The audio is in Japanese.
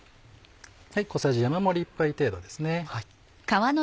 小さじ山盛り１杯程度ですね。